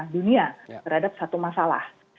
dunia terhadap satu masalah